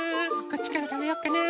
こっちからたべようかな。